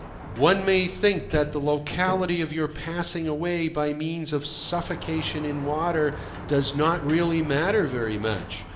One may think that the locality of your passing away by means of suffocation in water does not really matter very much.